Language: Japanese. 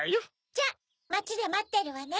じゃまちでまってるわね。